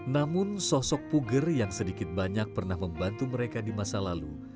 namun sosok puger yang sedikit banyak pernah membantu mereka di masa lalu